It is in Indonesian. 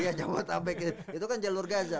iya jabodetabek itu kan jalur gaza